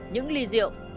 những ly rượu